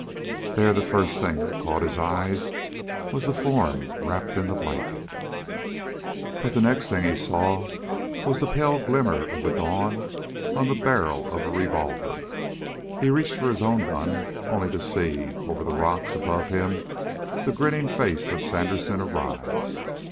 There the first thing that caught his eyes was the form wrapped in the blanket. But the next thing he saw was the pale glimmer of the dawn on the barrel of a revolver. He reached for his own gun, only to see, over the rock above him, the grinning face of Sandersen arise.